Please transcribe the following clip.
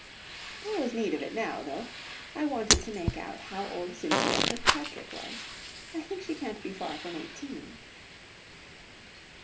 "There was need of it now, though. I wanted to make out how old Cynthia Kirkpatrick was. I think she can't be far from eighteen."